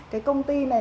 cái công ty này